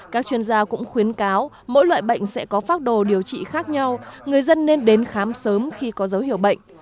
các chuyên gia cũng khuyến cáo mỗi loại bệnh sẽ có phác đồ điều trị khác nhau người dân nên đến khám sớm khi có dấu hiệu bệnh